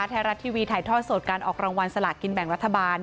ไทยรัฐทีวีถ่ายทอดสดการออกรางวัลสลากินแบ่งรัฐบาล